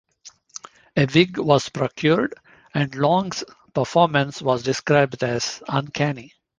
A wig was procured, and Long's performance was described as uncanny.